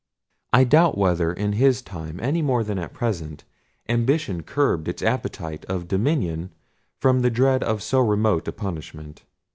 I doubt whether, in his time, any more than at present, ambition curbed its appetite of dominion from the dread of so remote a punishment.